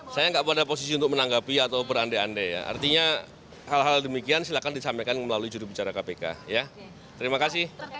saya tidak pada posisi untuk menanggapi atau berande ande ya artinya hal hal demikian silahkan disampaikan melalui judul bicara kpk ya terima kasih